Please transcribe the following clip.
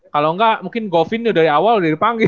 kalau enggak mungkin govin dari awal udah dipanggil